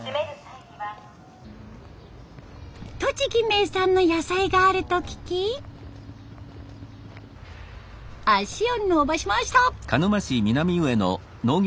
栃木名産の野菜があると聞き足を延ばしました。